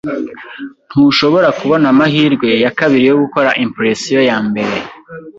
Ntushobora kubona amahirwe ya kabiri yo gukora impression ya mbere.